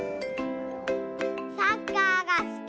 サッカーがすき。